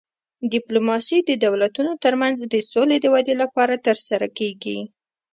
ډیپلوماسي د دولتونو ترمنځ د سولې د ودې لپاره ترسره کیږي